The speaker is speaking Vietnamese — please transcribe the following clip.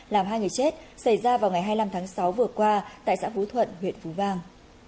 làm hai người chết xảy ra vào ngày hai mươi năm tháng sáu vừa qua tại xã phú thuận huyện phú vang